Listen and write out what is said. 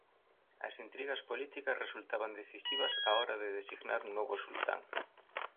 As intrigas políticas resultaban decisivas á hora de designar un novo sultán.